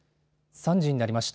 ３時になりました。